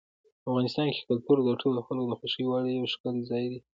افغانستان کې کلتور د ټولو خلکو د خوښې وړ یو ښکلی ځای دی.